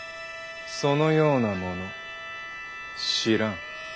そのような者知らん。